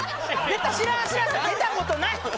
知らん知らん出たことない！